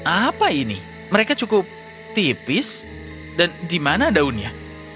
apa ini mereka cukup tipis dan di mana daunnya